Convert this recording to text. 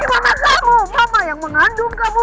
ini mama kamu mama yang mengandung kamu